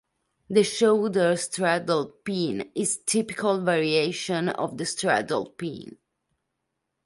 The shoulder straddle pin is typical variation of the straddle pin.